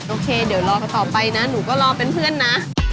โอเคเดี๋ยวรอกันต่อไปนะหนูก็รอเป็นเพื่อนนะ